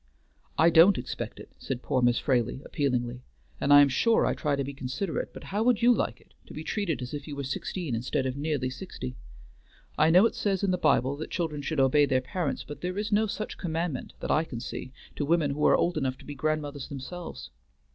"I don't expect it," said poor Miss Fraley appealingly, "and I am sure I try to be considerate; but how would you like it, to be treated as if you were sixteen instead of nearly sixty? I know it says in the Bible that children should obey their parents, but there is no such commandment, that I can see, to women who are old enough to be grandmothers themselves.